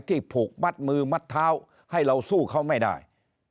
ผูกมัดมือมัดเท้าให้เราสู้เขาไม่ได้